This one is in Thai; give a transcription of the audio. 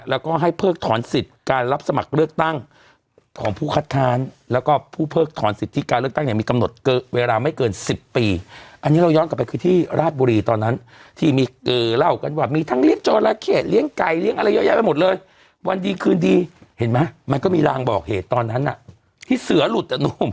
แล้วก็ให้เพิกถอนสิทธิ์การรับสมัครเลือกตั้งของผู้คัดค้านแล้วก็ผู้เพิกถอนสิทธิการเลือกตั้งเนี่ยมีกำหนดเวลาไม่เกิน๑๐ปีอันนี้เราย้อนกลับไปคือที่ราชบุรีตอนนั้นที่มีเล่ากันว่ามีทั้งเลี้ยงจราเข้เลี้ยงไก่เลี้ยงอะไรเยอะแยะไปหมดเลยวันดีคืนดีเห็นไหมมันก็มีรางบอกเหตุตอนนั้นน่ะที่เสือหลุดอ่ะนุ่ม